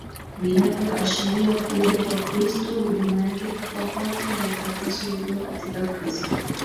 vinavyoashiria Kuja kwa Kristo Huduma yake kufa kwake na utakaso ulio katika Kristo